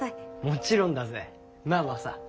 もちろんだぜ。なあマサ。